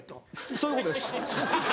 そういうことです。